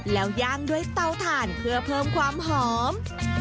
แล้วย่างด้วยเตาถ่านเพื่อเพิ่มความหอม